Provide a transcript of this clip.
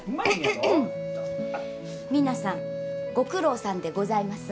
皆さんご苦労さんでございます。